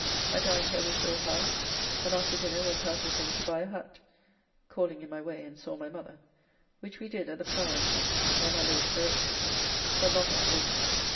I dined here with Will. Howe, and after dinner went out with him to buy a hat (calling in my way and saw my mother), which we did at the Plough in Fleet Street by my Lord's direction, but not as for him.